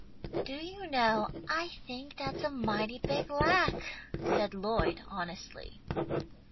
"Do you know, I think that's a mighty big lack," said Lloyd, honestly.